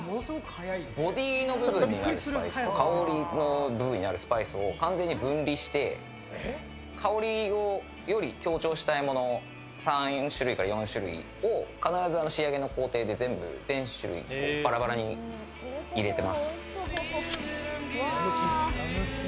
ボディーの部分になるスパイスと香りの部分になるスパイスを完全に分離して香りを強調したいもの３種類か４種類を必ず仕上げの工程で全種類バラバラに入れてます。